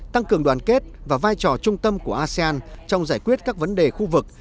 tăng cường đoàn kết và vai trò trung tâm của asean trong giải quyết các vấn đề khu vực